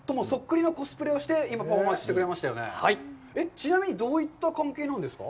ちなみに、どういった関係なんですか？